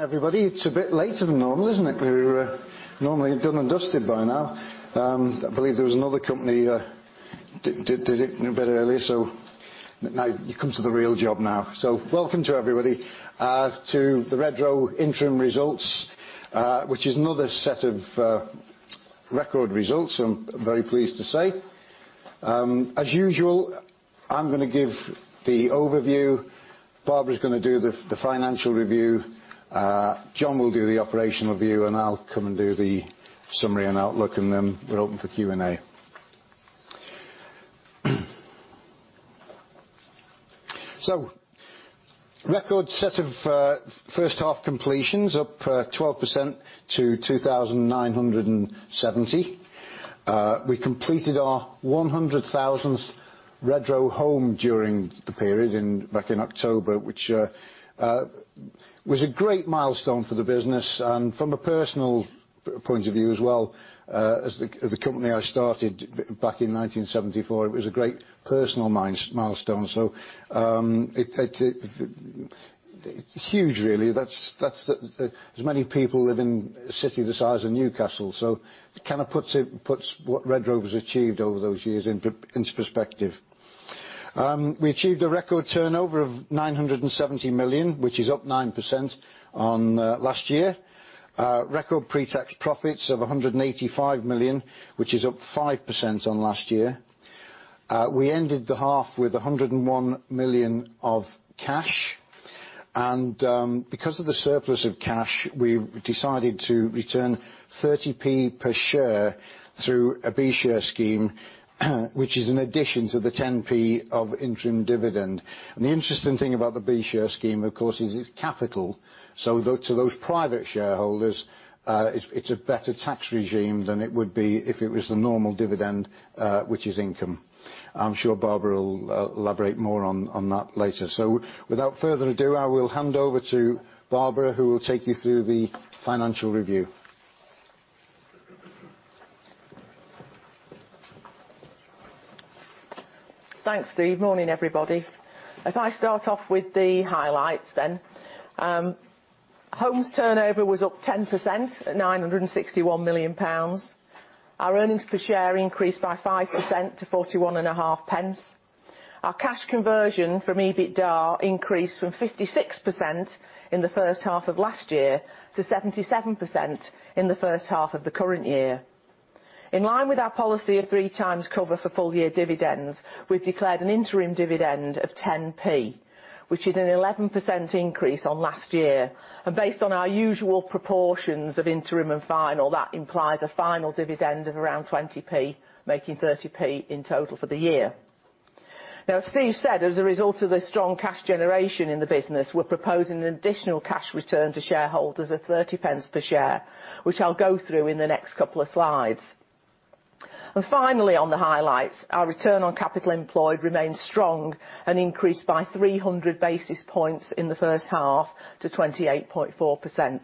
Everybody, it's a bit later than normal, isn't it? We were normally done and dusted by now. I believe there was another company that did it a bit earlier, now you come to the real job now. Welcome to everybody, to the Redrow interim results, which is another set of record results, I'm very pleased to say. As usual, I'm going to give the overview, Barbara's going to do the financial review, John will do the operational view, I'll come and do the summary and outlook, then we're open for Q&A. Record set of first half completions, up 12% to 2,970. We completed our 100,000th Redrow home during the period, back in October, which was a great milestone for the business. From a personal point of view as well, as the company I started back in 1974, it was a great personal milestone. It's huge really. That's as many people live in a city the size of Newcastle. It kind of puts what Redrow has achieved over those years into perspective. We achieved a record turnover of 970 million, which is up 9% on last year. Record pre-tax profits of 185 million, which is up 5% on last year. We ended the half with 101 million of cash. Because of the surplus of cash, we decided to return 0.30 per share through a B share scheme, which is an addition to the 0.10 of interim dividend. The interesting thing about the B share scheme, of course, is it's capital. To those private shareholders, it's a better tax regime than it would be if it was the normal dividend, which is income. I'm sure Barbara will elaborate more on that later. Without further ado, I will hand over to Barbara, who will take you through the financial review. Thanks, Steve. Morning, everybody. If I start off with the highlights then. Homes turnover was up 10% at 961 million pounds. Our earnings per share increased by 5% to 0.415. Our cash conversion from EBITDA increased from 56% in the first half of last year to 77% in the first half of the current year. In line with our policy of three times cover for full year dividends, we've declared an interim dividend of 0.10, which is an 11% increase on last year. Based on our usual proportions of interim and final, that implies a final dividend of around 0.20, making 0.30 in total for the year. As Steve said, as a result of the strong cash generation in the business, we're proposing an additional cash return to shareholders of 0.30 per share, which I'll go through in the next couple of slides. Finally, on the highlights, our return on capital employed remained strong and increased by 300 basis points in the first half to 28.4%.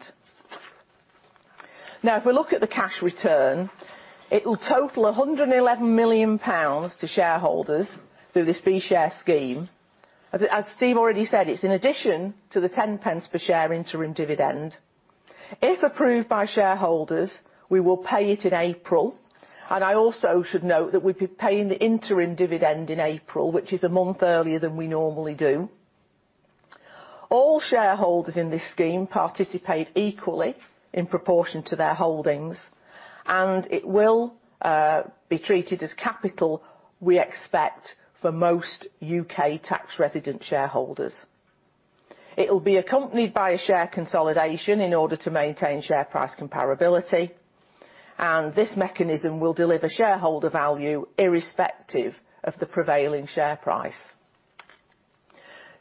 If we look at the cash return, it will total 111 million pounds to shareholders through this B share scheme. As Steve already said, it's in addition to the 0.10 per share interim dividend. If approved by shareholders, we will pay it in April. I also should note that we'll be paying the interim dividend in April, which is a month earlier than we normally do. All shareholders in this scheme participate equally in proportion to their holdings, and it will be treated as capital, we expect, for most U.K. tax-resident shareholders. It will be accompanied by a share consolidation in order to maintain share price comparability. This mechanism will deliver shareholder value irrespective of the prevailing share price.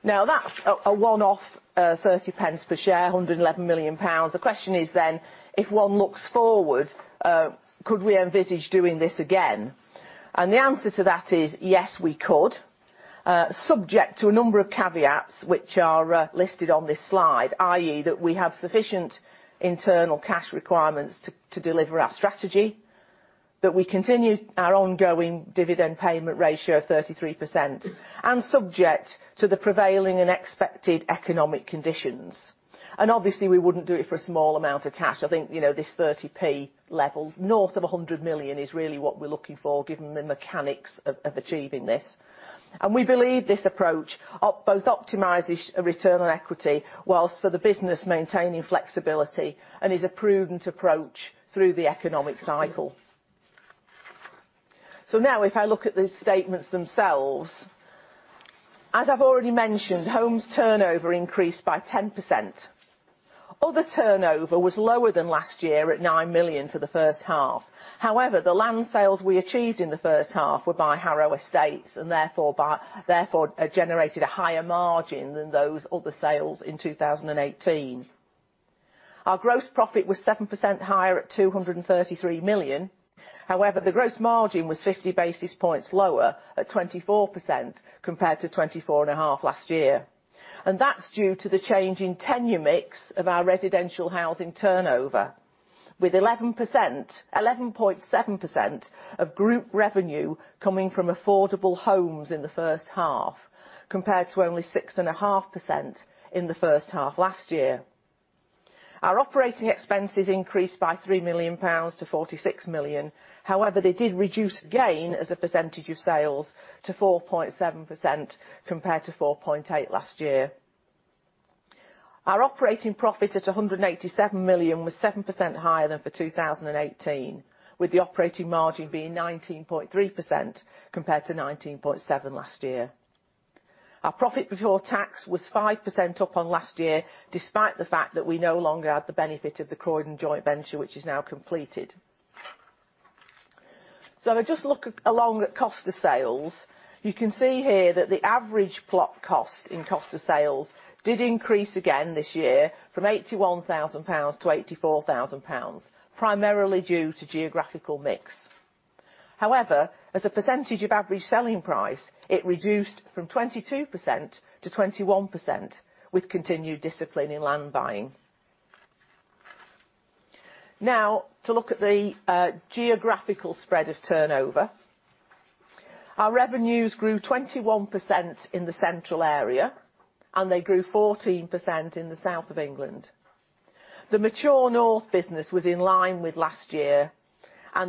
That's a one-off, 0.30 per share, 111 million pounds. The question is then, if one looks forward, could we envisage doing this again? The answer to that is yes, we could, subject to a number of caveats which are listed on this slide, i.e., that we have sufficient internal cash requirements to deliver our strategy, that we continue our ongoing dividend payment ratio of 33%, and subject to the prevailing and expected economic conditions. Obviously, we wouldn't do it for a small amount of cash. I think this 0.30 level, north of 100 million, is really what we're looking for, given the mechanics of achieving this. We believe this approach both optimizes a return on equity whilst for the business maintaining flexibility and is a prudent approach through the economic cycle. If I look at the statements themselves. As I've already mentioned, homes turnover increased by 10%. Other turnover was lower than last year at 9 million for the first half. However, the land sales we achieved in the first half were by Harrow Estates and therefore generated a higher margin than those other sales in 2018. Our gross profit was 7% higher at 233 million. However, the gross margin was 50 basis points lower at 24% compared to 24.5% last year. That's due to the change in tenure mix of our residential housing turnover, with 11.7% of group revenue coming from affordable homes in the first half, compared to only 6.5% in the first half last year. Our operating expenses increased by 3 million pounds to 46 million. However, they did reduce again as a percentage of sales to 4.7%, compared to 4.8% last year. Our operating profit at 187 million was 7% higher than for 2018, with the operating margin being 19.3%, compared to 19.7% last year. Our profit before tax was 5% up on last year, despite the fact that we no longer had the benefit of the Croydon joint venture, which is now completed. If I just look along at cost of sales, you can see here that the average plot cost in cost of sales did increase again this year from 81,000 pounds to 84,000 pounds, primarily due to geographical mix. However, as a percentage of average selling price, it reduced from 22% to 21%, with continued discipline in land buying. To look at the geographical spread of turnover. Our revenues grew 21% in the Central area, and they grew 14% in the South of England. The Mature North business was in line with last year,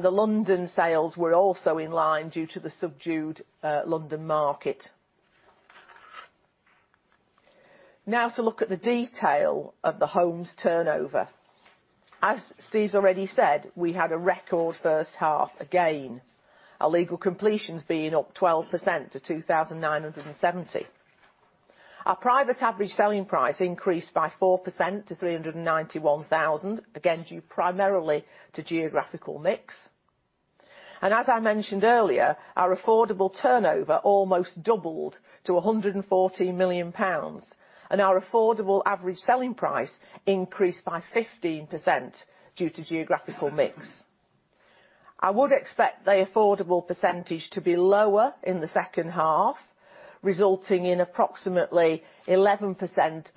the London sales were also in line due to the subdued London market. To look at the detail of the homes turnover. Steve's already said, we had a record first half again, our legal completions being up 12% to 2,970. Our private average selling price increased by 4% to 391,000, again, due primarily to geographical mix. As I mentioned earlier, our affordable turnover almost doubled to 114 million pounds. Our affordable average selling price increased by 15% due to geographical mix. I would expect the affordable percentage to be lower in the second half, resulting in approximately 11%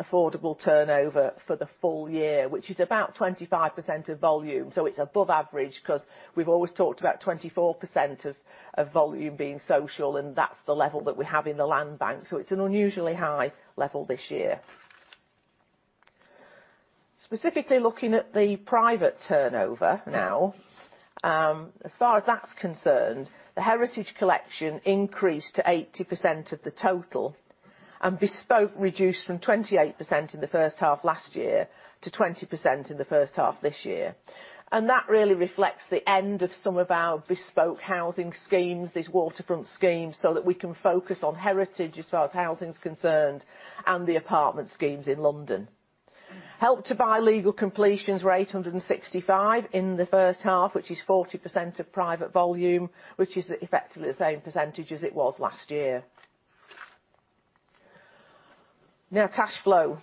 affordable turnover for the full year, which is about 25% of volume. It's above average because we've always talked about 24% of volume being social, and that's the level that we have in the land bank. It's an unusually high level this year. Specifically looking at the private turnover now. Far as that's concerned, the Heritage Collection increased to 80% of the total, Bespoke reduced from 28% in the first half last year to 20% in the first half this year. That really reflects the end of some of our Bespoke housing schemes, these waterfront schemes, so that we can focus on Heritage as far as housing's concerned, and the apartment schemes in London. Help to Buy legal completions were 865 in the first half, which is 40% of private volume, which is effectively the same percentage as it was last year. Cash flow.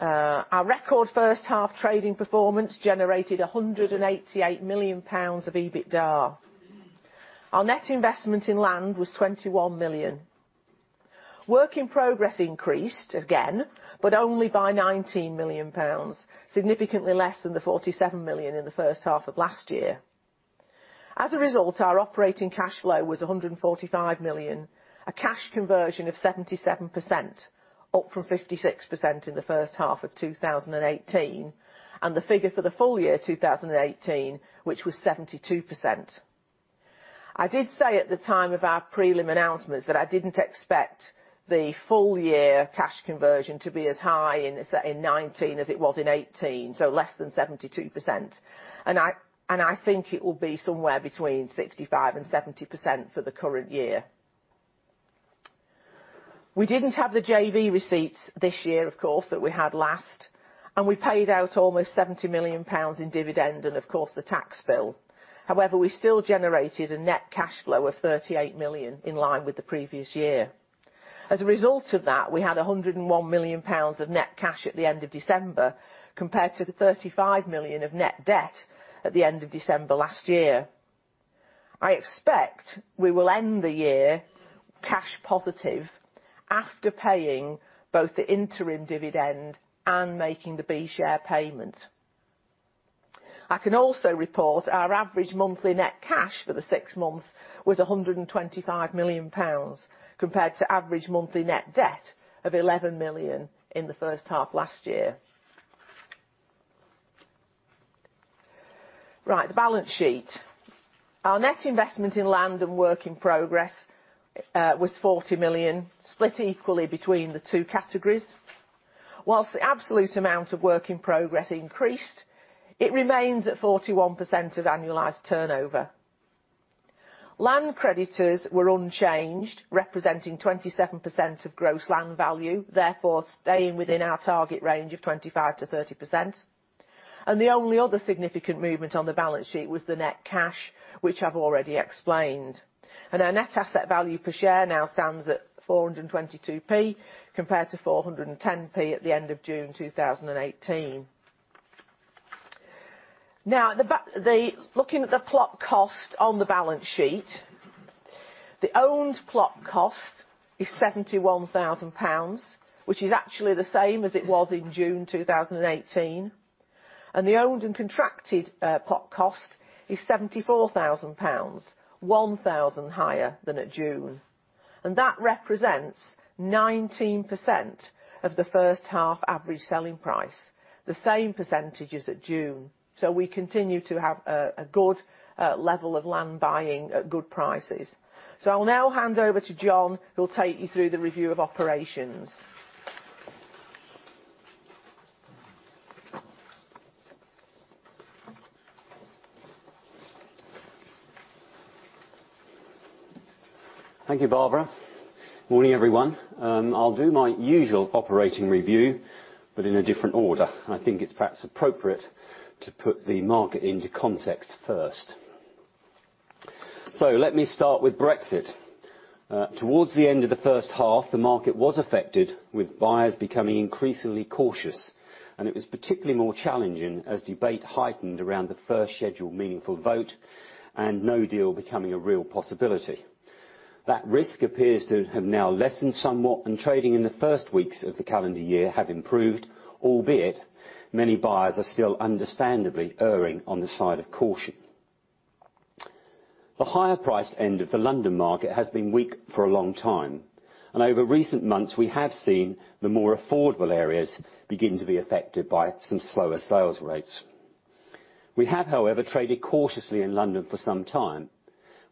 Our record first half trading performance generated 188 million pounds of EBITDA. Our net investment in land was 21 million. Work in progress increased again, only by 19 million pounds, significantly less than 47 million in the first half of last year. A result, our operating cash flow was 145 million, a cash conversion of 77%, up from 56% in the first half of 2018, the figure for the full year 2018, which was 72%. I did say at the time of our prelim announcements that I didn't expect the full year cash conversion to be as high in 2019 as it was in 2018, so less than 72%. I think it will be somewhere between 65%-70% for the current year. We didn't have the JV receipts this year, of course, that we had last, we paid out almost 70 million pounds in dividend and of course, the tax bill. We still generated a net cash flow of 38 million, in line with the previous year. A result of that, we had 101 million pounds of net cash at the end of December, compared to 35 million of net debt at the end of December last year. I expect we will end the year cash positive after paying both the interim dividend and making the B share payment. I can also report our average monthly net cash for the six months was 125 million pounds, compared to average monthly net debt of 11 million in the first half last year. The balance sheet. Our net investment in land and work in progress was 40 million, split equally between the two categories. The absolute amount of work in progress increased, it remains at 41% of annualized turnover. Land creditors were unchanged, representing 27% of gross land value, therefore staying within our target range of 25%-30%. The only other significant movement on the balance sheet was the net cash, which I've already explained. Our net asset value per share now stands at 4.22, compared to 4.10 at the end of June 2018. Looking at the plot cost on the balance sheet. The owned plot cost is 71,000 pounds, which is actually the same as it was in June 2018. The owned and contracted plot cost is 74,000 pounds, 1,000 higher than at June. That represents 19% of the first half average selling price, the same percentage as at June. We continue to have a good level of land buying at good prices. I'll now hand over to John, who will take you through the review of operations. Thank you, Barbara. Morning, everyone. I'll do my usual operating review, but in a different order. I think it's perhaps appropriate to put the market into context first. Let me start with Brexit. Towards the end of the first half, the market was affected, with buyers becoming increasingly cautious. It was particularly more challenging as debate heightened around the first scheduled meaningful vote, no deal becoming a real possibility. That risk appears to have now lessened somewhat. Trading in the first weeks of the calendar year have improved, albeit many buyers are still understandably erring on the side of caution. The higher priced end of the London market has been weak for a long time. Over recent months, we have seen the more affordable areas begin to be affected by some slower sales rates. We have, however, traded cautiously in London for some time.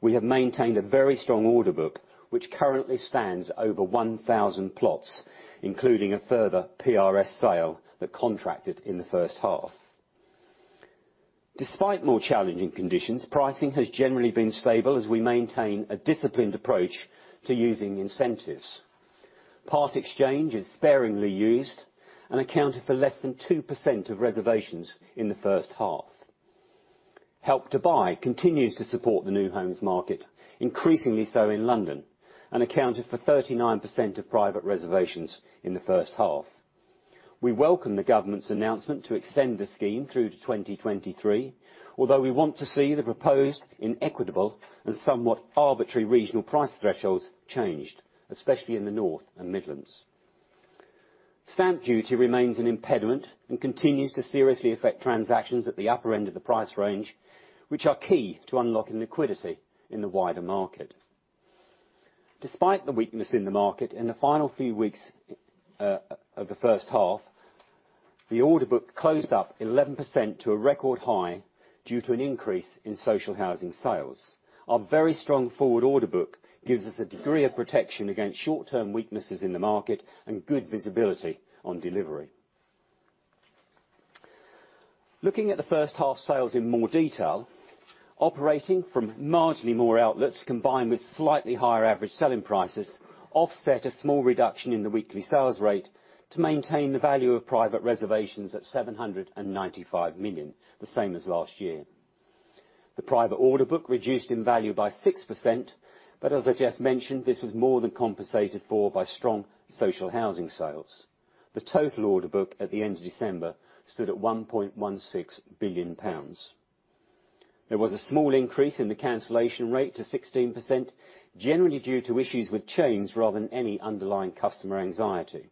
We have maintained a very strong order book, which currently stands at over 1,000 plots, including a further PRS sale that contracted in the first half. Despite more challenging conditions, pricing has generally been stable as we maintain a disciplined approach to using incentives. Part exchange is sparingly used, accounted for less than 2% of reservations in the first half. Help to Buy continues to support the new homes market, increasingly so in London, accounted for 39% of private reservations in the first half. We welcome the government's announcement to extend the scheme through to 2023, although we want to see the proposed inequitable and somewhat arbitrary regional price thresholds changed, especially in the North and Midlands. Stamp duty remains an impediment, continues to seriously affect transactions at the upper end of the price range, which are key to unlocking liquidity in the wider market. Despite the weakness in the market, in the final few weeks of the first half, the order book closed up 11% to a record high due to an increase in social housing sales. Our very strong forward order book gives us a degree of protection against short-term weaknesses in the market, good visibility on delivery. Looking at the first half sales in more detail, operating from marginally more outlets, combined with slightly higher average selling prices, offset a small reduction in the weekly sales rate to maintain the value of private reservations at 795 million, the same as last year. The private order book reduced in value by 6%. As I just mentioned, this was more than compensated for by strong social housing sales. The total order book at the end of December stood at 1.16 billion pounds. There was a small increase in the cancellation rate to 16%, generally due to issues with chains rather than any underlying customer anxiety.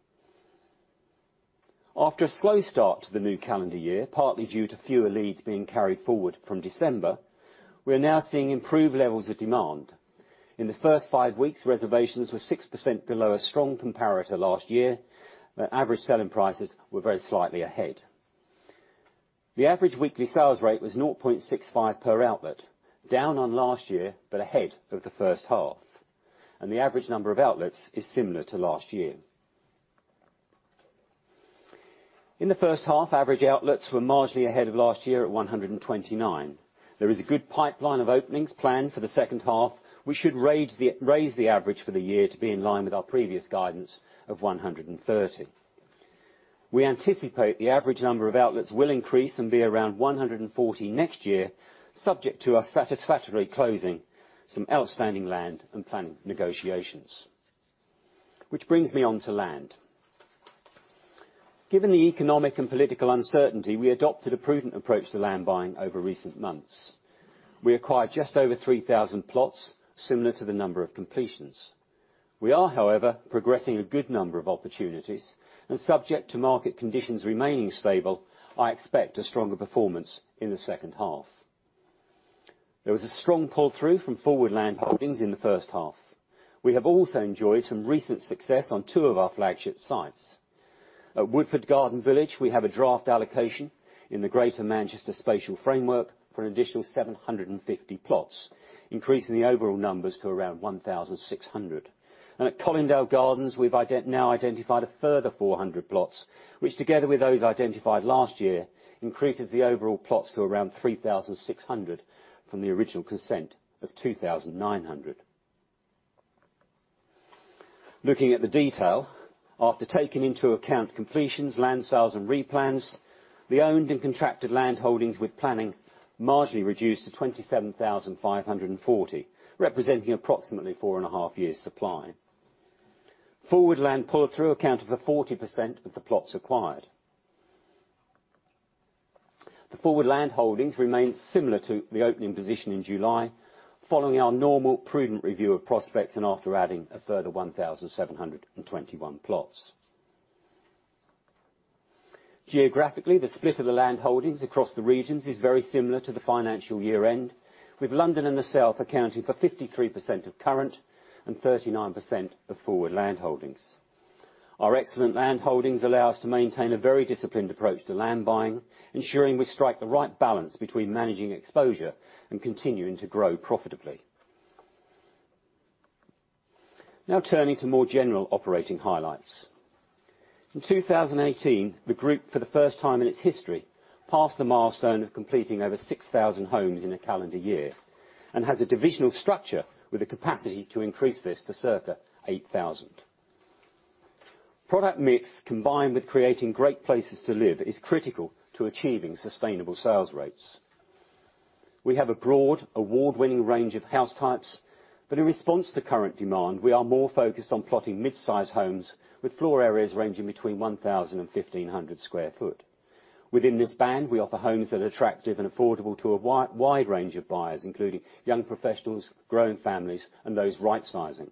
After a slow start to the new calendar year, partly due to fewer leads being carried forward from December, we are now seeing improved levels of demand. In the first five weeks, reservations were 6% below a strong comparator last year. Average selling prices were very slightly ahead. The average weekly sales rate was 0.65 per outlet, down on last year, but ahead of the first half, and the average number of outlets is similar to last year. In the first half, average outlets were marginally ahead of last year at 129. There is a good pipeline of openings planned for the second half. We should raise the average for the year to be in line with our previous guidance of 130. We anticipate the average number of outlets will increase and be around 140 next year, subject to our satisfactorily closing some outstanding land and planning negotiations. Which brings me on to land. Given the economic and political uncertainty, we adopted a prudent approach to land buying over recent months. We acquired just over 3,000 plots, similar to the number of completions. We are, however, progressing a good number of opportunities, and subject to market conditions remaining stable, I expect a stronger performance in the second half. There was a strong pull-through from forward land holdings in the first half. We have also enjoyed some recent success on two of our flagship sites. At Woodford Garden Village, we have a draft allocation in the Greater Manchester Spatial Framework for an additional 750 plots, increasing the overall numbers to around 1,600. At Colindale Gardens, we've now identified a further 400 plots, which together with those identified last year, increases the overall plots to around 3,600 from the original consent of 2,900. Looking at the detail, after taking into account completions, land sales, and replans, the owned and contracted land holdings with planning marginally reduced to 27,540, representing approximately four and a half years supply. Forward land pull-through accounted for 40% of the plots acquired. The forward land holdings remain similar to the opening position in July following our normal prudent review of prospects and after adding a further 1,721 plots. Geographically, the split of the land holdings across the regions is very similar to the financial year end, with London and the South accounting for 53% of current and 39% of forward land holdings. Our excellent land holdings allow us to maintain a very disciplined approach to land buying, ensuring we strike the right balance between managing exposure and continuing to grow profitably. Now turning to more general operating highlights. In 2018, the group, for the first time in its history, passed the milestone of completing over 6,000 homes in a calendar year, and has a divisional structure with the capacity to increase this to circa 8,000. Product mix, combined with creating great places to live, is critical to achieving sustainable sales rates. We have a broad, award-winning range of house types, but in response to current demand, we are more focused on plotting mid-size homes with floor areas ranging between 1,000 and 1,500 sq ft. Within this band we offer homes that are attractive and affordable to a wide range of buyers, including young professionals, growing families, and those rightsizing.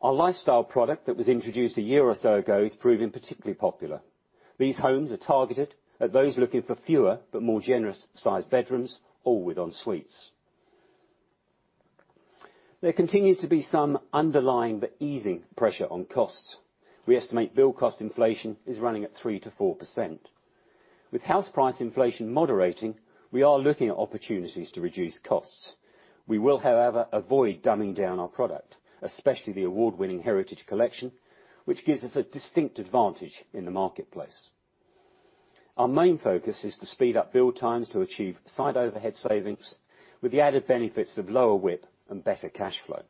Our Lifestyle product that was introduced a year or so ago is proving particularly popular. These homes are targeted at those looking for fewer but more generous sized bedrooms, all with en suites. There continue to be some underlying but easing pressure on costs. We estimate build cost inflation is running at 3%-4%. With house price inflation moderating, we are looking at opportunities to reduce costs. We will, however, avoid dumbing down our product, especially the award-winning Heritage Collection, which gives us a distinct advantage in the marketplace. Our main focus is to speed up build times to achieve site overhead savings with the added benefits of lower WIP and better cash flow.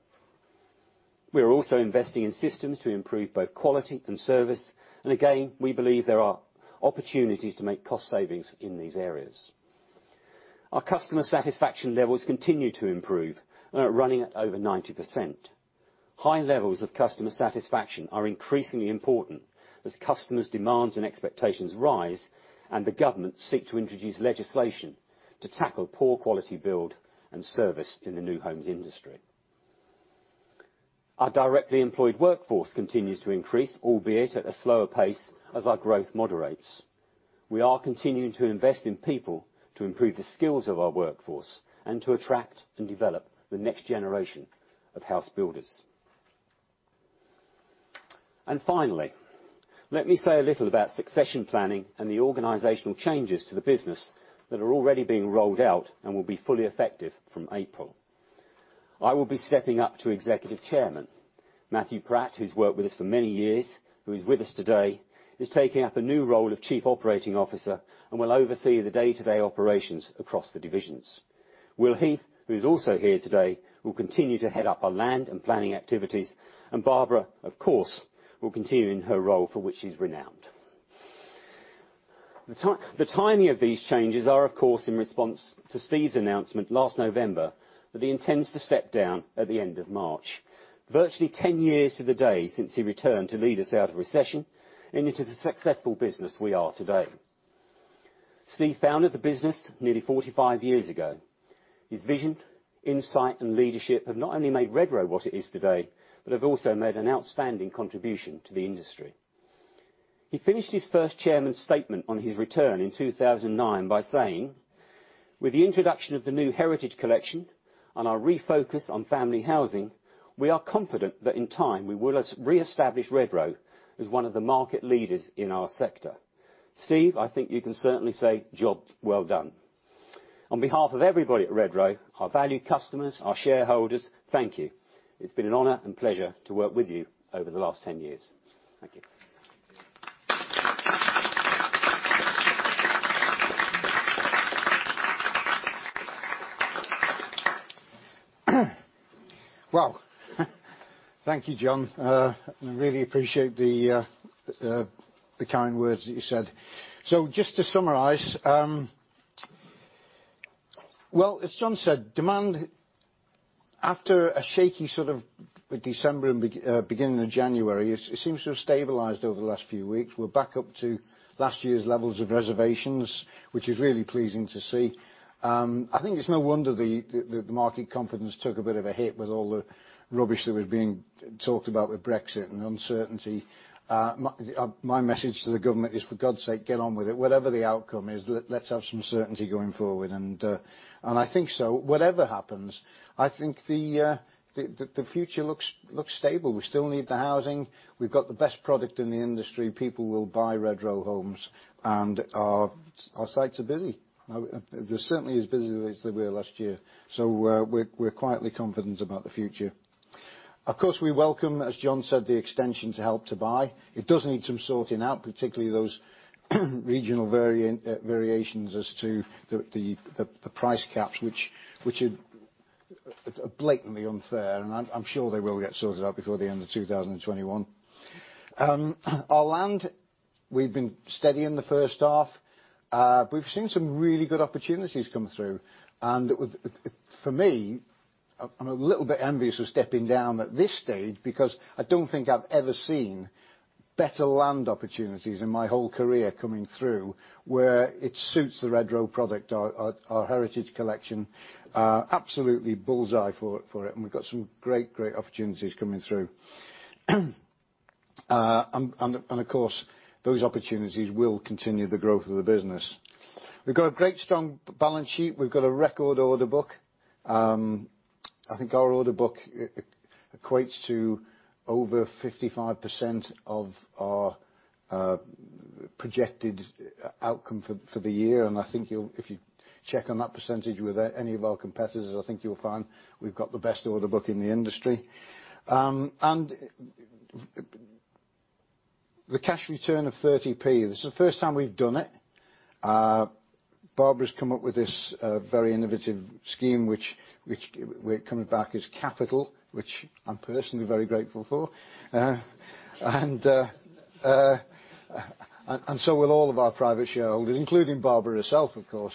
Again, we believe there are opportunities to make cost savings in these areas. Our customer satisfaction levels continue to improve and are running at over 90%. High levels of customer satisfaction are increasingly important as customers' demands and expectations rise and the government seek to introduce legislation to tackle poor quality build and service in the new homes industry. Our directly employed workforce continues to increase, albeit at a slower pace as our growth moderates. We are continuing to invest in people to improve the skills of our workforce and to attract and develop the next generation of house builders. Finally, let me say a little about succession planning and the organizational changes to the business that are already being rolled out and will be fully effective from April. I will be stepping up to Executive Chairman. Matthew Pratt, who's worked with us for many years, who is with us today, is taking up a new role of Chief Operating Officer and will oversee the day-to-day operations across the divisions. Will Heath, who's also here today, will continue to head up our land and planning activities. Barbara, of course, will continue in her role for which she's renowned. The timing of these changes are, of course, in response to Steve's announcement last November that he intends to step down at the end of March. Virtually 10 years to the day since he returned to lead us out of recession and into the successful business we are today. Steve founded the business nearly 45 years ago. His vision, insight, and leadership have not only made Redrow what it is today, but have also made an outstanding contribution to the industry. He finished his first Chairman statement on his return in 2009 by saying, "With the introduction of the new Heritage Collection and our refocus on family housing, we are confident that in time we will reestablish Redrow as one of the market leaders in our sector." Steve, I think you can certainly say job well done. On behalf of everybody at Redrow, our valued customers, our shareholders, thank you. It's been an honor and pleasure to work with you over the last 10 years. Thank you. Wow. Thank you, John. I really appreciate the kind words that you said. Just to summarize, well, as John said, demand after a shaky December and beginning of January, it seems to have stabilized over the last few weeks. We're back up to last year's levels of reservations, which is really pleasing to see. I think it's no wonder the market confidence took a bit of a hit with all the rubbish that was being talked about with Brexit and the uncertainty. My message to the government is, for God's sake, get on with it. Whatever the outcome is, let's have some certainty going forward. I think whatever happens, I think the future looks stable. We still need the housing. We've got the best product in the industry. People will buy Redrow homes and our sites are busy. They're certainly as busy as they were last year. We're quietly confident about the future. Of course, we welcome, as John said, the extension to Help to Buy. It does need some sorting out, particularly those regional variations as to the price caps, which are blatantly unfair, and I'm sure they will get sorted out before the end of 2021. Our land, we've been steady in the first half. We've seen some really good opportunities come through, and for me, I'm a little bit envious of stepping down at this stage because I don't think I've ever seen better land opportunities in my whole career coming through where it suits the Redrow product, our Heritage Collection. Absolutely bullseye for it, and we've got some great opportunities coming through. Of course, those opportunities will continue the growth of the business. We've got a great strong balance sheet. We've got a record order book. I think our order book equates to over 55% of our projected outcome for the year. I think if you check on that percentage with any of our competitors, I think you'll find we've got the best order book in the industry. The cash return of 0.30, this is the first time we've done it. Barbara's come up with this very innovative scheme which we're coming back as capital, which I'm personally very grateful for. Will all of our private shareholders, including Barbara herself, of course.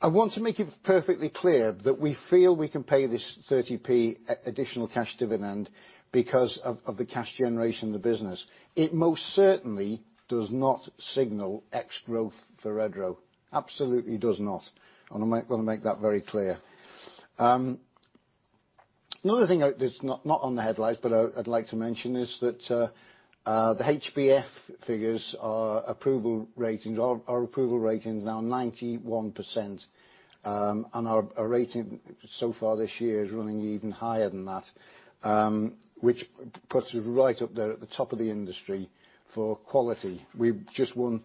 I want to make it perfectly clear that we feel we can pay this 0.30 additional cash dividend because of the cash generation of the business. It most certainly does not signal ex-growth for Redrow. Absolutely does not. I want to make that very clear. Another thing that's not on the headlines, but I'd like to mention is that, the HBF figures, our approval ratings are now 91%, and our rating so far this year is running even higher than that, which puts us right up there at the top of the industry for quality. We've just won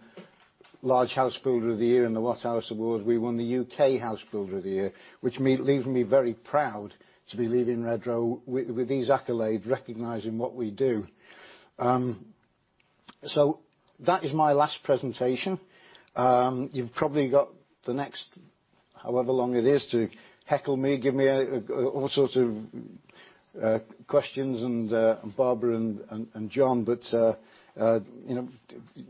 Large House Builder of the Year in the WhatHouse? Awards. We won the U.K. House Builder of the Year, which leaves me very proud to be leaving Redrow with these accolades recognizing what we do. That is my last presentation. You've probably got the next however long it is to heckle me, give me all sorts of questions and Barbara and John, but this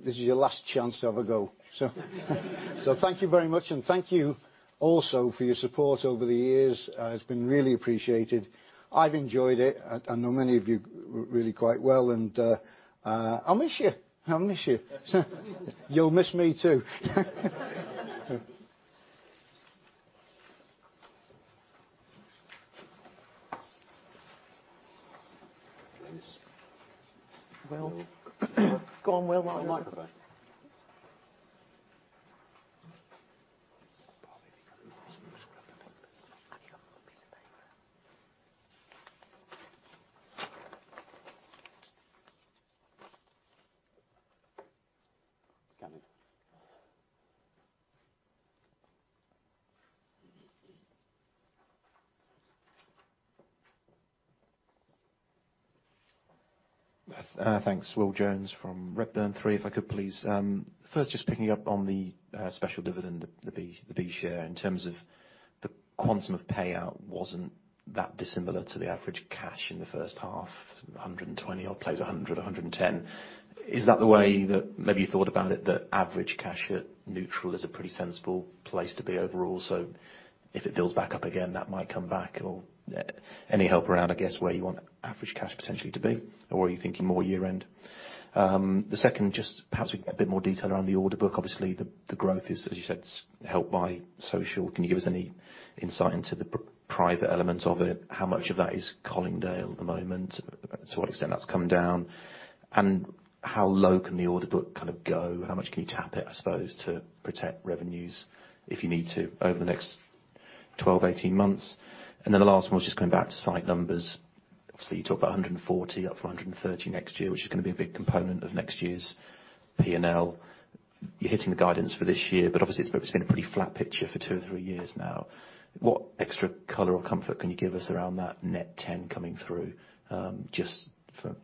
is your last chance to have a go. Thank you very much, and thank you also for your support over the years. It's been really appreciated. I've enjoyed it. I know many of you really quite well. I'll miss you. I'll miss you. You'll miss me too. Please. Will. Go on, Will. It's coming. Thanks, Will Jones from Redburn. Three, if I could please. First, just picking up on the special dividend, the B share in terms of the quantum of payout wasn't that dissimilar to the average cash in the first half, 120 odd plays 100, 110. Is that the way that maybe you thought about it, the average cash at neutral is a pretty sensible place to be overall. If it builds back up again, that might come back or any help around, I guess, where you want average cash potentially to be, or are you thinking more year-end? The second, just perhaps a bit more detail around the order book. Obviously, the growth is, as you said, helped by social. Can you give us any insight into the private elements of it? How much of that is Colindale at the moment, to what extent that's come down? How low can the order book kind of go? How much can you tap it, I suppose, to protect revenues if you need to over the next 12, 18 months? The last one was just coming back to site numbers. Obviously, you talked about 140 up from 130 next year, which is going to be a big component of next year's P&L. You are hitting the guidance for this year, obviously it has been a pretty flat picture for 2 or 3 years now. What extra color or comfort can you give us around that net 10 coming through? Just for,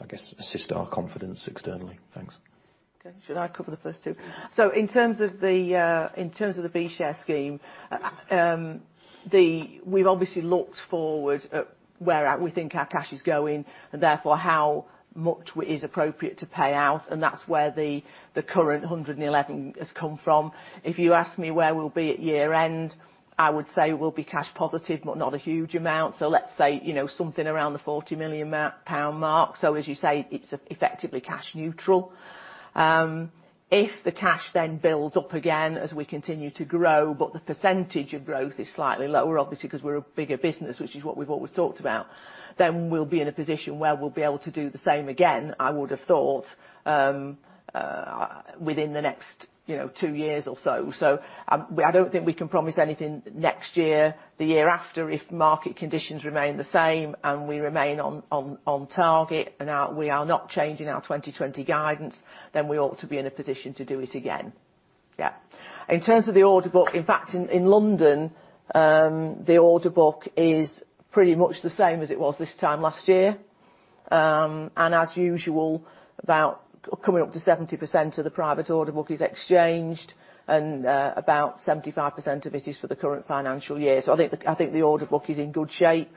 I guess, assist our confidence externally. Thanks. Okay. Should I cover the first two? In terms of the B share scheme, we have obviously looked forward at where we think our cash is going and therefore how much is appropriate to pay out and that is where the current 111 has come from. If you ask me where we will be at year-end, I would say we will be cash positive, not a huge amount. Let us say, something around the 40 million pound mark. As you say, it is effectively cash neutral. If the cash builds up again as we continue to grow, the percentage of growth is slightly lower, obviously because we are a bigger business, which is what we have always talked about, we will be in a position where we will be able to do the same again, I would have thought, within the next 2 years or so. I do not think we can promise anything next year, the year after, if market conditions remain the same and we remain on target and we are not changing our 2020 guidance, we ought to be in a position to do it again. Yeah. In terms of the order book, in fact, in London, the order book is pretty much the same as it was this time last year. As usual, about coming up to 70% of the private order book is exchanged and about 75% of it is for the current financial year. I think the order book is in good shape.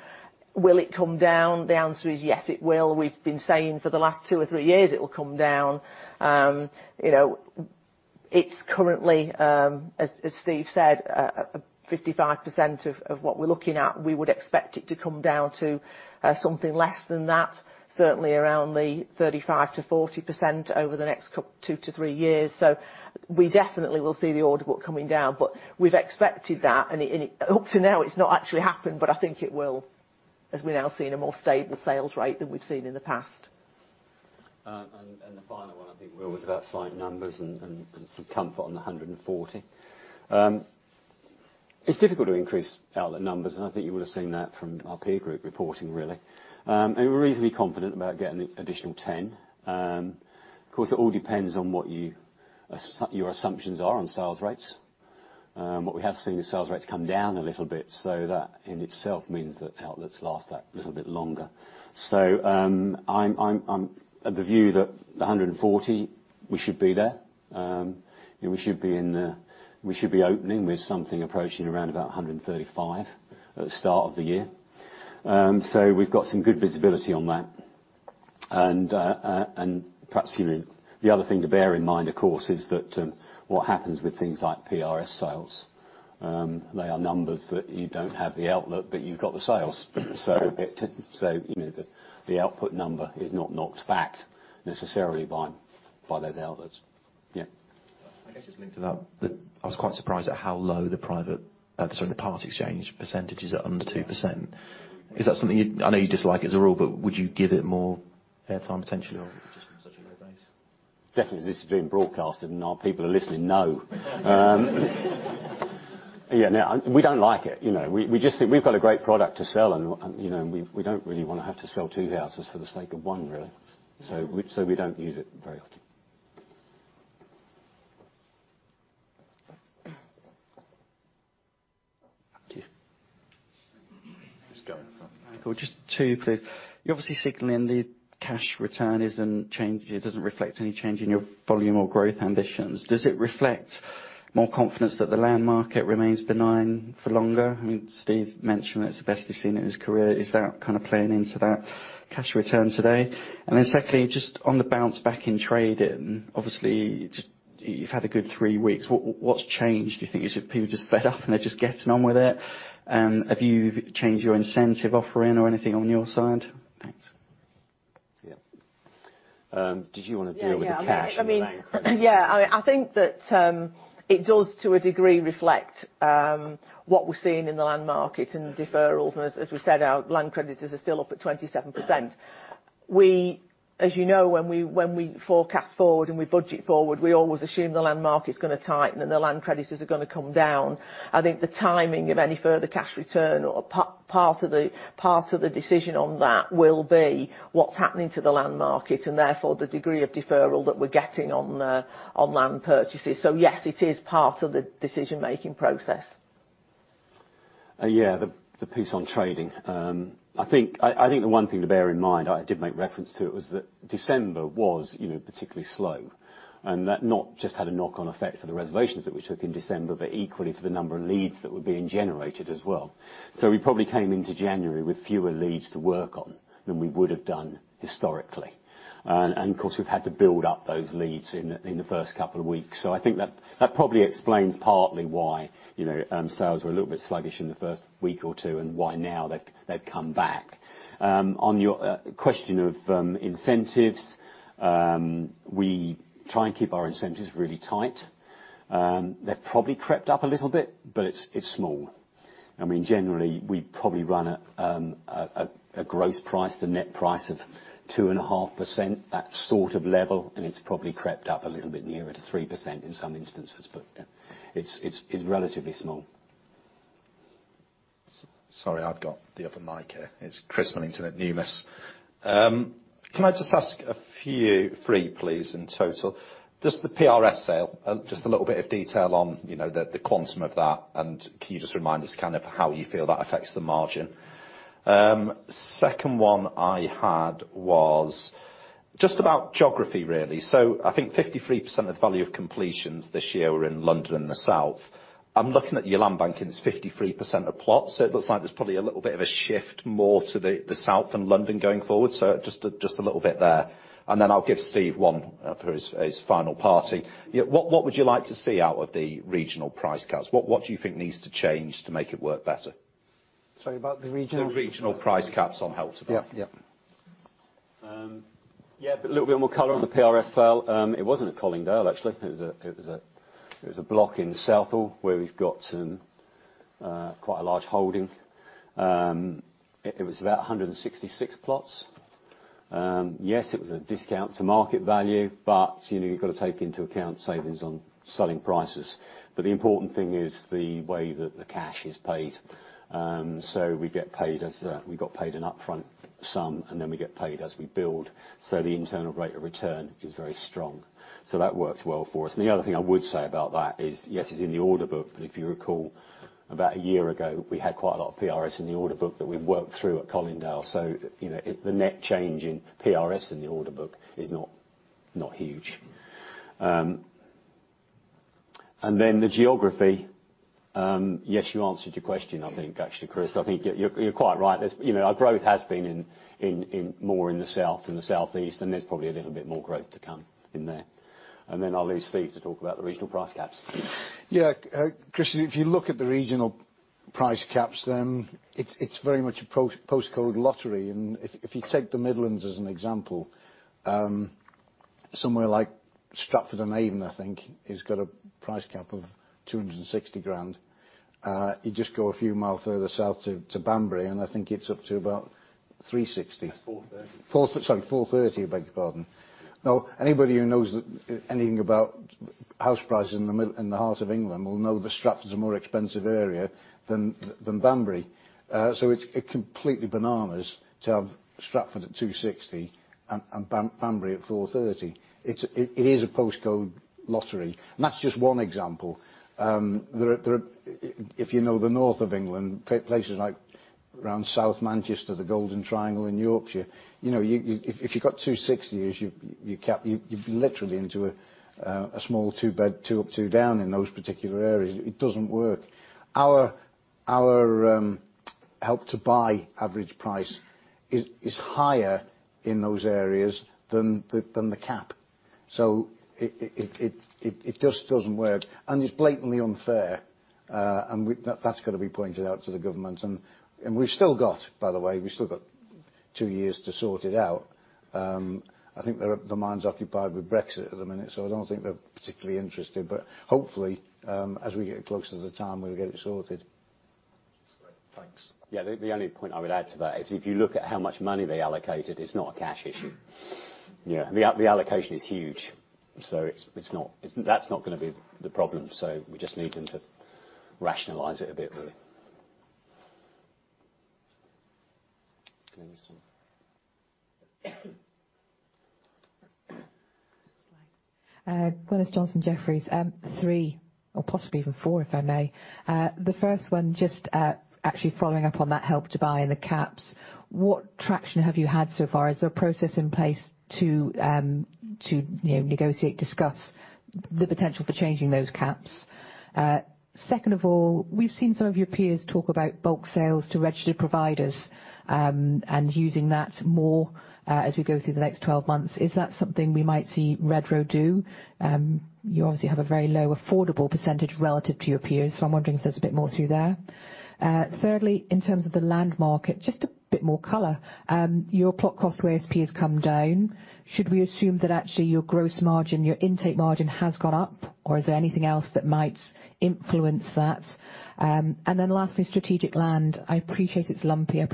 Will it come down? The answer is yes, it will. We have been saying for the last 2 or 3 years it will come down. It is currently, as Steve said, 55% of what we are looking at. We would expect it to come down to something less than that, certainly around the 35%-40% over the next 2 to 3 years. We definitely will see the order book coming down, we have expected that, up to now, it has not actually happened, I think it will as we are now seeing a more stable sales rate than we have seen in the past. The final one, I think, Will, was about site numbers and some comfort on the 140. It is difficult to increase outlet numbers, and I think you would've seen that from The RP Group reporting, really. We're reasonably confident about getting an additional 10. Of course, it all depends on what your assumptions are on sales rates. What we have seen is sales rates come down a little bit, so that in itself means that outlets last that little bit longer. I'm of the view that the 140, we should be there. We should be opening with something approaching around about 135 at the start of the year. We've got some good visibility on that. Perhaps the other thing to bear in mind, of course, is that what happens with things like PRS sales, they are numbers that you don't have the outlet, but you've got the sales. The output number is not knocked back necessarily by those outlets. Yeah. I guess just linking to that, I was quite surprised at how low the part exchange percentage is at under 2%. Is that something I know you dislike it as a rule, but would you give it more air time, potentially, or is it just from such a low base? Definitely as this is being broadcast and our people are listening, no. Yeah, no, we don't like it. We just think we've got a great product to sell, and we don't really want to have to sell two houses for the sake of one, really. We don't use it very often. Thank you. Just going from Michael. Just two, please. You're obviously signaling the cash return isn't changing. It doesn't reflect any change in your volume or growth ambitions. Does it reflect more confidence that the land market remains benign for longer? Steve mentioned that it's the best he's seen in his career. Is that playing into that cash return today? Secondly, just on the bounce back in trading, obviously you've had a good three weeks. What's changed, do you think? Is it people are just fed up and they're just getting on with it? Have you changed your incentive offering or anything on your side? Thanks. Yeah. Did you want to deal with the cash and land credit? Yeah. I think that it does, to a degree, reflect what we're seeing in the land market and deferrals. As we said, our land creditors are still up at 27%. As you know, when we forecast forward and we budget forward, we always assume the land market's going to tighten and the land creditors are going to come down. I think the timing of any further cash return, or part of the decision on that will be what's happening to the land market and therefore the degree of deferral that we're getting on land purchases. Yes, it is part of the decision-making process. Yeah, the piece on trading. I think the one thing to bear in mind, I did make reference to it, was that December was particularly slow. That not just had a knock-on effect for the reservations that we took in December, but equally for the number of leads that were being generated as well. We probably came into January with fewer leads to work on than we would have done historically. Of course, we've had to build up those leads in the first couple of weeks. I think that probably explains partly why sales were a little bit sluggish in the first week or two and why now they've come back. On your question of incentives, we try and keep our incentives really tight. They've probably crept up a little bit, but it's small. Generally, we probably run a gross price to net price of 2.5%, that sort of level. It's probably crept up a little bit nearer to 3% in some instances. It's relatively small. Sorry, I've got the other mic here. It's Chris Millington at Numis. Can I just ask a few, three please, in total. Just the PRS sale, just a little bit of detail on the quantum of that. Can you just remind us how you feel that affects the margin? Second one I had was just about geography, really. I think 53% of the value of completions this year were in London and the South. I'm looking at your land banking, it's 53% of plots. It looks like there's probably a little bit of a shift more to the South and London going forward. Just a little bit there. Then I'll give Steve one for his final party. What would you like to see out of the regional price caps? What do you think needs to change to make it work better? Sorry, about the regional. The regional price caps on house building. Yep. Yep. A little bit more color on the PRS sale. It wasn't at Colindale, actually. It was a block in Southall where we've got quite a large holding. It was about 166 plots. Yes, it was a discount to market value, but you've got to take into account savings on selling prices. The important thing is the way that the cash is paid. We got paid an upfront sum, and then we get paid as we build. The internal rate of return is very strong. That works well for us. The other thing I would say about that is, yes, it's in the order book, but if you recall, about a year ago, we had quite a lot of PRS in the order book that we've worked through at Colindale. The net change in PRS in the order book is not huge. The geography. Yes, you answered your question, I think actually, Chris. I think you're quite right. Our growth has been more in the south and the southeast, and there's probably a little bit more growth to come in there. I'll leave Steve to talk about the regional price caps. Chris, if you look at the regional price caps, it's very much a postcode lottery. If you take the Midlands as an example, somewhere like Stratford-on-Avon, I think, has got a price cap of 260,000. You just go a few mile further south to Banbury, I think it's up to about 360. 430. Sorry, 430. I beg your pardon. Anybody who knows anything about house prices in the heart of England will know that Stratford is a more expensive area than Banbury. It's completely bananas to have Stratford at 260 and Banbury at 430. It is a postcode lottery, and that's just one example. If you know the north of England, places like around South Manchester, the Golden Triangle in Yorkshire. If you've got 260 as your cap, you'd be literally into a small two bed, two up, two down in those particular areas. It doesn't work. Our Help to Buy average price is higher in those areas than the cap. It just doesn't work, and it's blatantly unfair. That's got to be pointed out to the government. We've still got, by the way, two years to sort it out. I think their mind's occupied with Brexit at the minute, I don't think they're particularly interested. Hopefully, as we get closer to the time, we'll get it sorted. Thanks. Yeah. The only point I would add to that is if you look at how much money they allocated, it's not a cash issue. Yeah. The allocation is huge. That's not going to be the problem. We just need them to rationalize it a bit really. Glynis? Glynis Johnson from Jefferies. Three or possibly even four, if I may. The first one, just actually following up on that Help to Buy and the caps. What traction have you had so far? Is there a process in place to negotiate, discuss the potential for changing those caps? Second of all, we've seen some of your peers talk about bulk sales to Registered Providers, and using that more as we go through the next 12 months. Is that something we might see Redrow do? You obviously have a very low affordable percentage relative to your peers, so I'm wondering if there's a bit more through there. Thirdly, in terms of the land market, just a bit more color. Your plot cost to ASP has come down. Should we assume that actually your gross margin, your intake margin, has gone up, or is there anything else that might influence that? Lastly, strategic land. I appreciate it's lumpy. I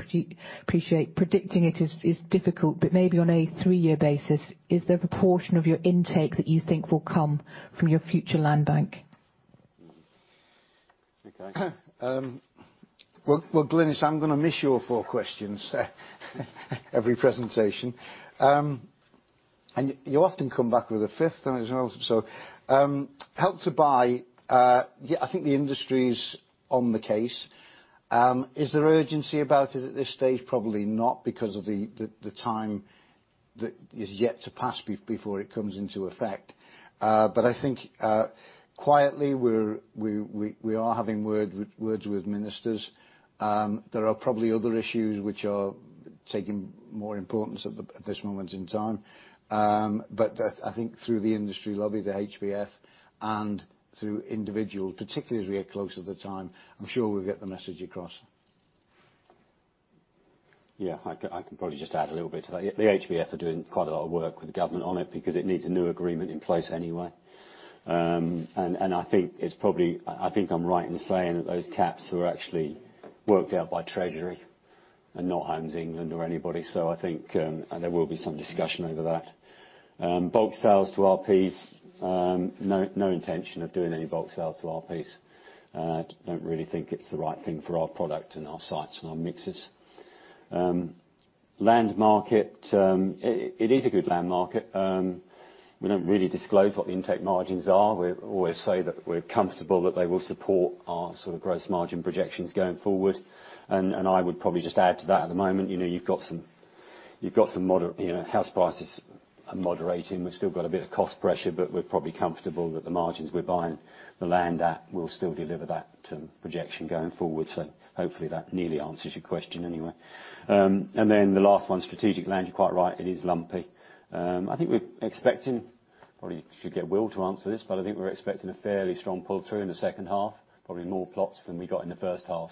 appreciate predicting it is difficult, but maybe on a three-year basis, is there a proportion of your intake that you think will come from your future land bank? Well, Glynis, I'm going to miss your four questions every presentation. You often come back with a fifth one as well. Help to Buy, I think the industry's on the case. Is there urgency about it at this stage? Probably not because of the time that is yet to pass before it comes into effect. I think quietly, we are having words with ministers. There are probably other issues which are taking more importance at this moment in time. I think through the industry lobby, the HBF, and through individual, particularly as we get closer to the time, I'm sure we'll get the message across. Yeah. I can probably just add a little bit to that. The HBF are doing quite a lot of work with the government on it because it needs a new agreement in place anyway. I think I'm right in saying that those caps were actually worked out by HM Treasury and not Homes England or anybody. I think there will be some discussion over that. Bulk sales to RPs. No intention of doing any bulk sale to RPs. Don't really think it's the right thing for our product and our sites and our mixes. Land market. It is a good land market. We don't really disclose what the intake margins are. We always say that we're comfortable that they will support our sort of gross margin projections going forward. I would probably just add to that at the moment, house prices are moderating. We've still got a bit of cost pressure, but we're probably comfortable that the margins we're buying the land at will still deliver that projection going forward. Hopefully that nearly answers your question anyway. The last one, strategic land, you're quite right. It is lumpy. I think we're expecting, probably should get Will to answer this, but I think we're expecting a fairly strong pull-through in the second half, probably more plots than we got in the first half.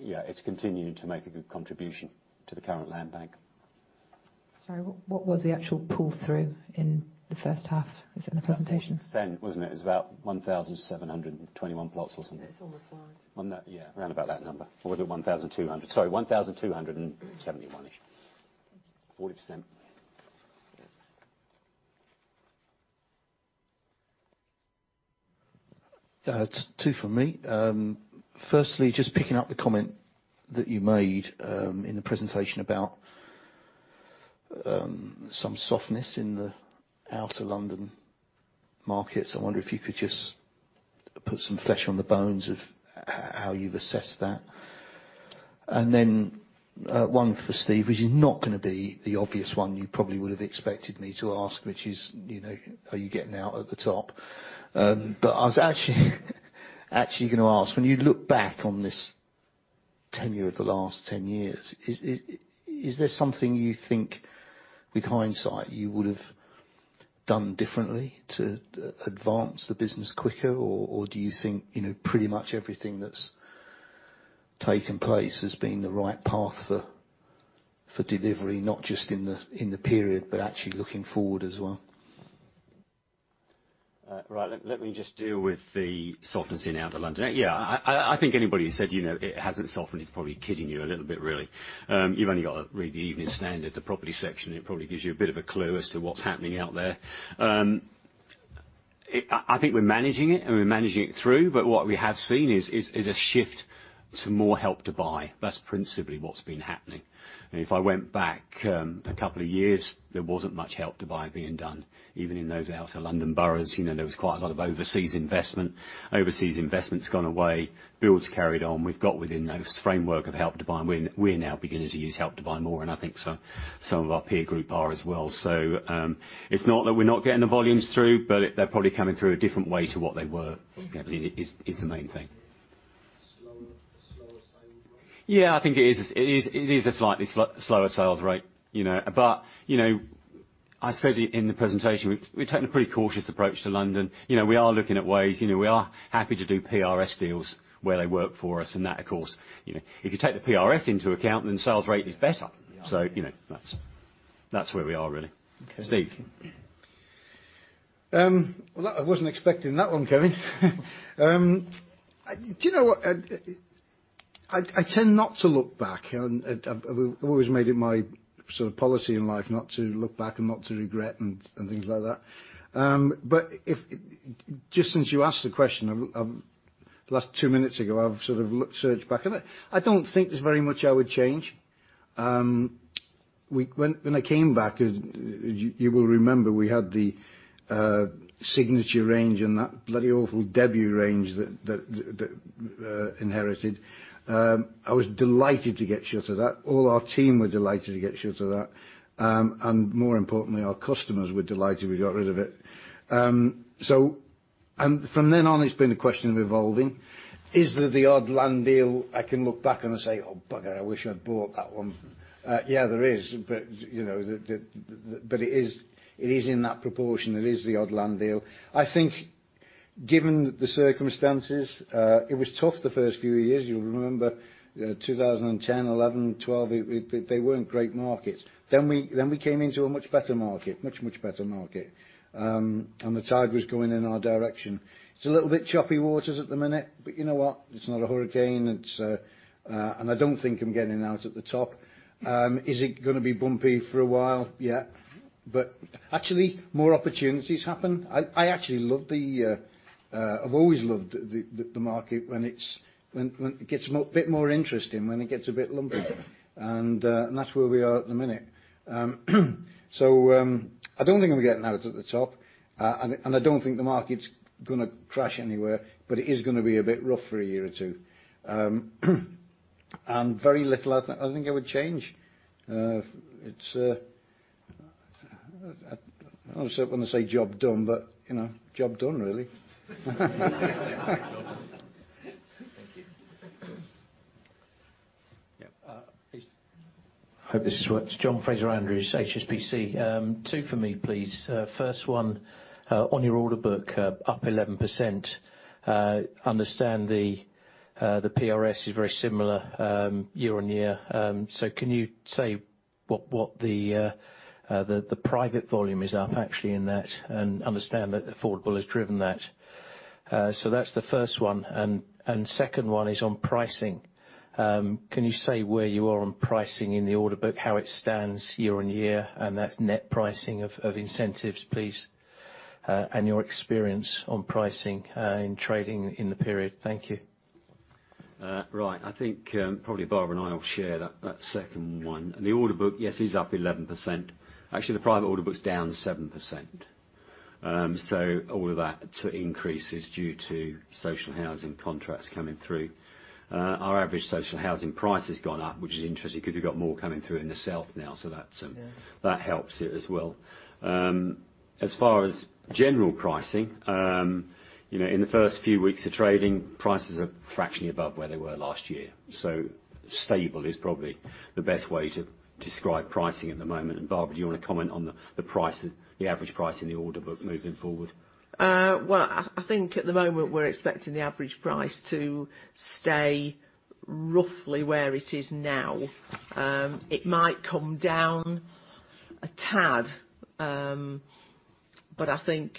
Yeah, it's continuing to make a good contribution to the current land bank. Sorry, what was the actual pull-through in the first half? Is it in the presentation? It was about 10%, wasn't it? It was about 1,721 plots or something. It's on the slides. On there, yeah. Around about that number. Was it 1,200? Sorry, 1,271-ish. 40%. Two from me. Firstly, just picking up the comment that you made in the presentation about some softness in the outer London markets. I wonder if you could just put some flesh on the bones of how you've assessed that. Then one for Steve, which is not going to be the obvious one you probably would have expected me to ask, which is, are you getting out at the top? I was actually going to ask, when you look back on this tenure of the last 10 years, is there something you think with hindsight you would have done differently to advance the business quicker? Or do you think, pretty much everything that's taken place has been the right path for delivery, not just in the period, but actually looking forward as well? Right. Let me just deal with the softness in out of London. Yeah. I think anybody who said it hasn't softened is probably kidding you a little bit, really. You've only got to read the Evening Standard, the property section, it probably gives you a bit of a clue as to what's happening out there. I think we're managing it, and we're managing it through, but what we have seen is a shift to more Help to Buy. That's principally what's been happening. If I went back a couple of years, there wasn't much Help to Buy being done, even in those out of London boroughs. There was quite a lot of overseas investment. Overseas investment's gone away. Build's carried on. We've got within those framework of Help to Buy, and we're now beginning to use Help to Buy more, and I think so some of our peer group are as well. It's not that we're not getting the volumes through, but they're probably coming through a different way to what they were. Yeah. Is the main thing. Yeah, I think it is a slightly slower sales rate. I said it in the presentation, we've taken a pretty cautious approach to London. We are looking at ways. We are happy to do PRS deals where they work for us. That, of course, if you take the PRS into account, then sales rate is better. Yeah. That's where we are, really. Okay. Steve. I wasn't expecting that one, Kevin. Do you know what? I tend not to look back. I've always made it my policy in life not to look back and not to regret and things like that. Since you asked the question, the last two minutes ago, I've sort of searched back. I don't think there's very much I would change. When I came back, you will remember we had the Signature range and that bloody awful Debut range that inherited. I was delighted to get rid of that. All our team were delighted to get rid of that. More importantly, our customers were delighted we got rid of it. From then on, it's been a question of evolving. Is there the odd land deal I can look back on and say, "Oh, bugger, I wish I'd bought that one"? Yeah, there is. It is in that proportion. It is the odd land deal. I think given the circumstances, it was tough the first few years. You'll remember 2010, 2011, 2012, they weren't great markets. We came into a much better market. Much, much better market. The tide was going in our direction. It's a little bit choppy waters at the minute, but you know what? It's not a hurricane. I don't think I'm getting out at the top. Is it going to be bumpy for a while? Yeah. Actually, more opportunities happen. I actually have always loved the market when it gets a bit more interesting. When it gets a bit lumpier. That's where we are at the minute. I don't think I'm getting out at the top, I don't think the market's going to crash anywhere, but it is going to be a bit rough for a year or two. Very little I think I would change. I don't want to say job done, but job done, really. Thank you. Yeah, please. I hope this works. John Fraser-Andrews, HSBC. Two for me, please. First one, on your order book, up 11%. Understand the PRS is very similar year-on-year. Can you say what the private volume is up actually in that? Understand that affordable has driven that. That's the first one. Second one is on pricing. Can you say where you are on pricing in the order book, how it stands year-on-year, and that's net pricing of incentives, please, and your experience on pricing in trading in the period. Thank you. Right. I think probably Barbara and I will share that second one. The order book, yes, it is up 11%. Actually, the private order book's down 7%. All of that increase is due to social housing contracts coming through. Our average social housing price has gone up, which is interesting, because we've got more coming through in the south now. That helps it as well. As far as general pricing, in the first few weeks of trading, prices are fractionally above where they were last year. Stable is probably the best way to describe pricing at the moment. Barbara, do you want to comment on the average price in the order book moving forward? Well, I think at the moment, we're expecting the average price to stay roughly where it is now. It might come down a tad. I think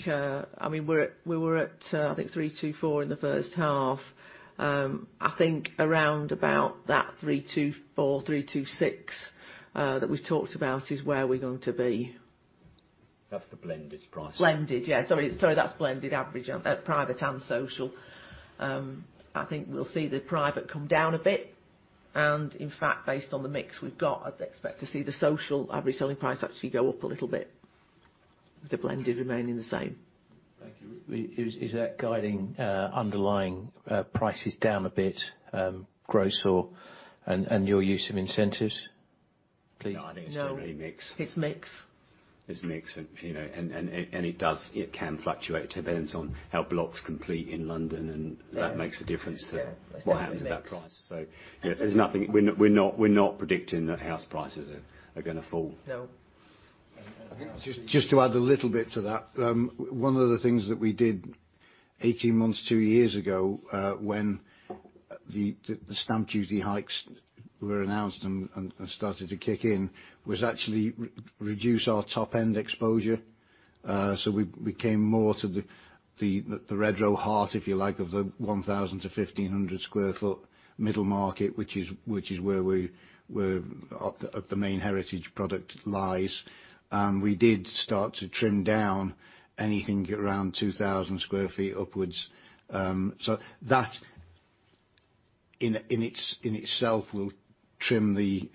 we were at, I think, 324 in the first half. I think around about that 324, 326 that we've talked about is where we're going to be. That's the blended price. Blended. Sorry. That's blended average at private and social. I think we'll see the private come down a bit. In fact, based on the mix we've got, I'd expect to see the social average selling price actually go up a little bit. The blend remaining the same. Thank you. Is that guiding underlying prices down a bit, gross, and your use of incentives, please? No, I think it's generally mix. No. It's mix. It's mix, and it can fluctuate. It depends on how blocks complete in London, and that makes a difference to what happens with that price. Yeah. We're not predicting that house prices are going to fall. No. Just to add a little bit to that. One of the things that we did 18 months, 2 years ago, when the stamp duty hikes were announced and started to kick in, was actually reduce our top-end exposure. We came more to the Redrow heart, if you like, of the 1,000-1,500 sq ft middle market, which is where the main Heritage product lies. We did start to trim down anything around 2,000 sq ft upwards. That, in itself, will trim the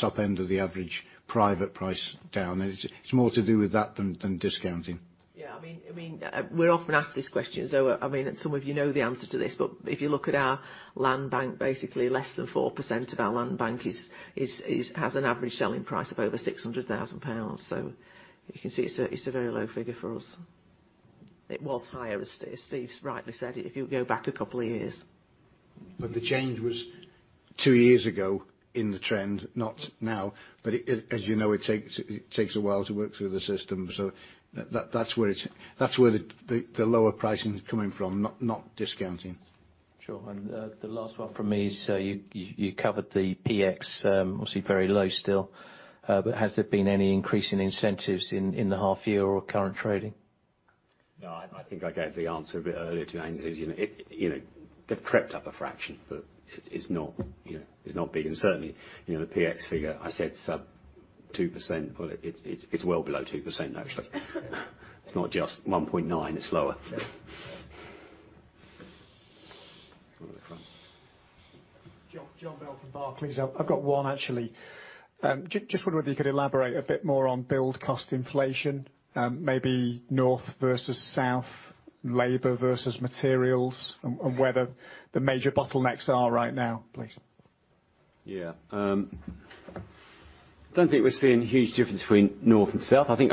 top end of the average private price down. It's more to do with that than discounting. Yeah. We're often asked this question, so some of you know the answer to this. If you look at our land bank, basically less than 4% of our land bank has an average selling price of over 600,000 pounds. You can see it's a very low figure for us. It was higher, as Steve's rightly said, if you go back a couple of years. The change was two years ago in the trend, not now. As you know, it takes a while to work through the system. That's where the lower pricing is coming from, not discounting. Sure. The last one from me is, you covered the PX, obviously very low still. Has there been any increase in incentives in the half year or current trading? No. I think I gave the answer a bit earlier to Angus. They've crept up a fraction, but it's not big. Certainly, the PX figure, I said 2%. It's well below 2%, actually. It's not just 1.9, it's lower. John Bell from Barclays. I've got one, actually. Just wonder whether you could elaborate a bit more on build cost inflation, maybe north versus south, labor versus materials, and where the major bottlenecks are right now, please. Yeah. Don't think we're seeing a huge difference between north and south. I think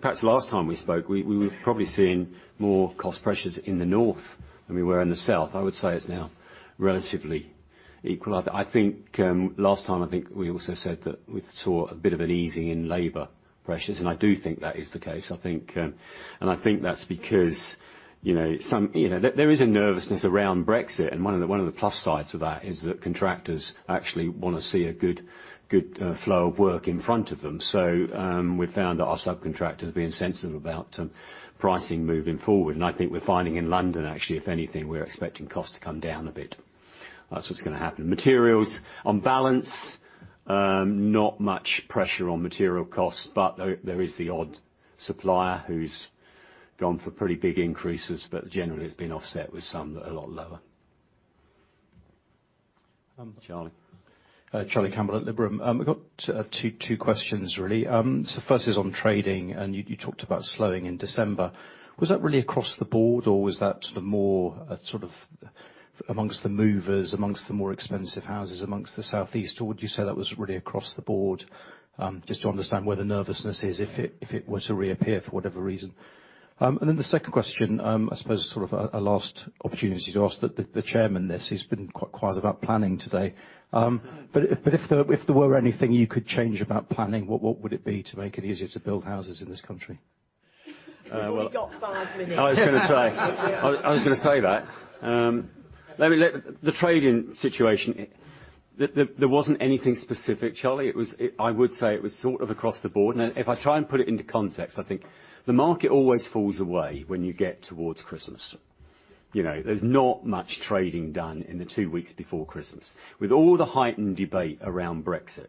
perhaps last time we spoke, we were probably seeing more cost pressures in the north than we were in the south. I would say it's now relatively equal. Last time, I think we also said that we saw a bit of an easing in labor pressures, and I do think that is the case. I think that's because there is a nervousness around Brexit, and one of the plus sides of that is that contractors actually want to see a good flow of work in front of them. We've found that our subcontractors are being sensible about pricing moving forward. I think we're finding in London, actually, if anything, we're expecting costs to come down a bit. That's what's going to happen. Materials, on balance, not much pressure on material costs, but there is the odd supplier who's gone for pretty big increases, but generally has been offset with some that are a lot lower. Charlie. Charlie Campbell at Liberum. I've got two questions, really. The first is on trading, and you talked about slowing in December. Was that really across the board, or was that more amongst the movers, amongst the more expensive houses amongst the Southeast? Would you say that was really across the board? Just to understand where the nervousness is, if it were to reappear for whatever reason. The second question, I suppose as a last opportunity to ask the chairman this. He's been quite quiet about planning today. If there were anything you could change about planning, what would it be to make it easier to build houses in this country? We've only got five minutes. I was going to say that. The trading situation, there wasn't anything specific, Charlie. I would say it was sort of across the board. If I try and put it into context, I think the market always falls away when you get towards Christmas. There's not much trading done in the two weeks before Christmas. With all the heightened debate around Brexit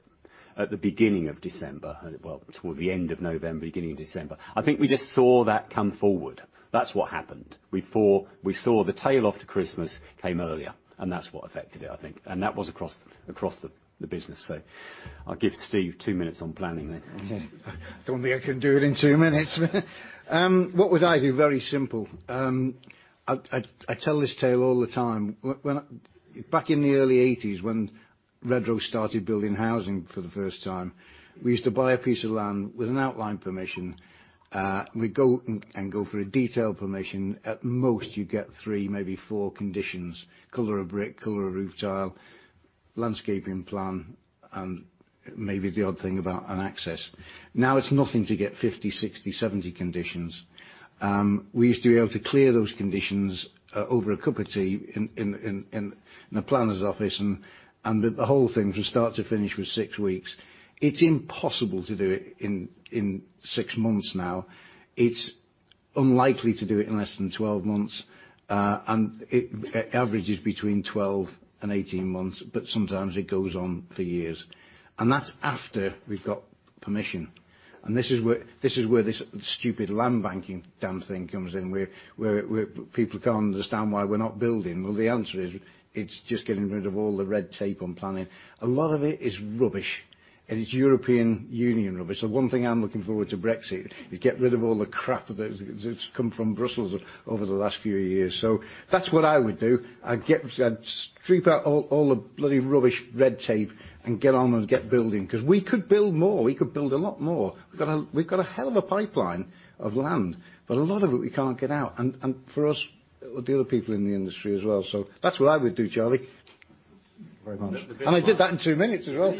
at the beginning of December, well, towards the end of November, beginning of December, I think we just saw that come forward. That's what happened. We saw the tail off to Christmas came earlier, that's what affected it, I think. That was across the business. I'll give Steve two minutes on planning. Don't think I can do it in two minutes. What would I do? Very simple. I tell this tale all the time. Back in the early 1980s, when Redrow started building housing for the first time, we used to buy a piece of land with an outline permission. We'd go and go for a detailed permission. At most, you'd get three, maybe four conditions. Color of brick, color of roof tile, landscaping plan, and maybe the odd thing about an access. Now it's nothing to get 50, 60, 70 conditions. We used to be able to clear those conditions over a cup of tea in the planner's office, and the whole thing from start to finish was six weeks. It's impossible to do it in six months now. It's unlikely to do it in less than 12 months. It averages between 12 and 18 months, but sometimes it goes on for years. That's after we've got permission. This is where this stupid land banking damn thing comes in, where people can't understand why we're not building. Well, the answer is, it's just getting rid of all the red tape on planning. A lot of it is rubbish. It's European Union rubbish. One thing I'm looking forward to Brexit, you get rid of all the crap that's come from Brussels over the last few years. That's what I would do. I'd strip out all the bloody rubbish red tape and get on and get building because we could build more. We could build a lot more. We've got a hell of a pipeline of land, but a lot of it we can't get out, and for us or the other people in the industry as well. That's what I would do, Charlie. Very much. I did that in two minutes as well.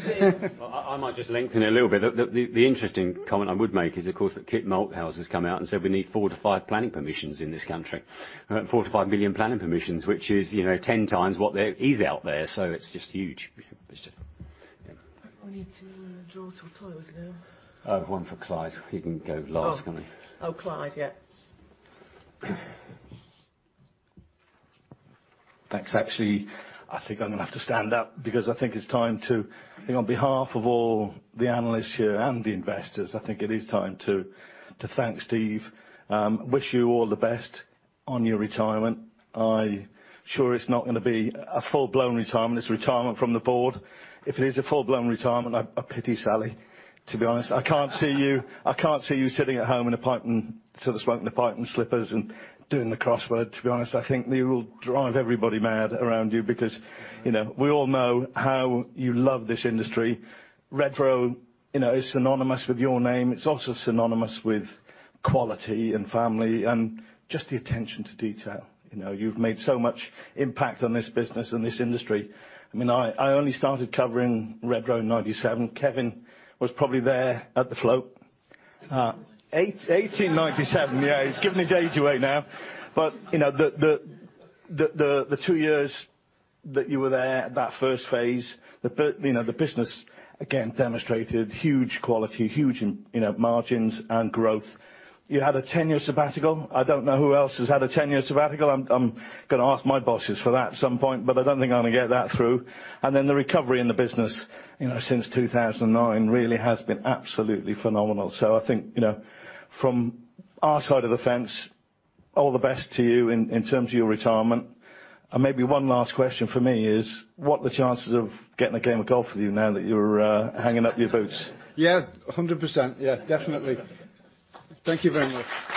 I might just lengthen it a little bit. The interesting comment I would make is, of course, that Kit Malthouse has come out and said we need four to five planning permissions in this country. 4 million-5 million planning permissions, which is 10 times what there is out there, so it is just huge. We need to draw to a close now. One for Clyde. He can go last, can't he? Oh, Clyde. Yeah. Thanks. Actually, I think I'm going to have to stand up because on behalf of all the analysts here and the investors, I think it is time to thank Steve. Wish you all the best on your retirement. I'm sure it's not going to be a full-blown retirement. It's retirement from the board. If it is a full-blown retirement, I pity Sally, to be honest. I can't see you sitting at home in a pipe and sort of smoking a pipe and slippers and doing the crossword, to be honest. I think you will drive everybody mad around you because we all know how you love this industry. Redrow is synonymous with your name. It's also synonymous with quality and family and just the attention to detail. You've made so much impact on this business and this industry. I only started covering Redrow in 1997. Kevin was probably there at the float. 1897, yeah. He's giving his age away now. The two years that you were there, that first phase, the business, again, demonstrated huge quality, huge margins and growth. You had a 10-year sabbatical. I don't know who else has had a 10-year sabbatical. I'm going to ask my bosses for that at some point, but I don't think I'm going to get that through. The recovery in the business since 2009 really has been absolutely phenomenal. I think, from our side of the fence, all the best to you in terms of your retirement. Maybe one last question from me is, what the chances of getting a game of golf with you now that you're hanging up your boots? Yeah, 100%. Yeah, definitely. Thank you very much.